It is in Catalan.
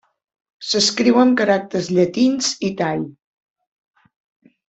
S'escriu amb caràcters llatins i tai.